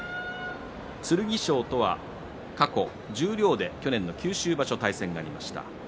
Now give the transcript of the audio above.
剣翔とは過去に十両で去年の九州場所対戦がありました。